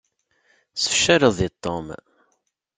Tessefcaleḍ deg Tom.